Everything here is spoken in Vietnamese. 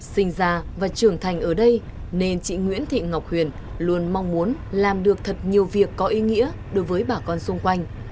sinh ra và trưởng thành ở đây nên chị nguyễn thị ngọc huyền luôn mong muốn làm được thật nhiều việc có ý nghĩa đối với bà con xung quanh